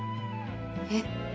えっ。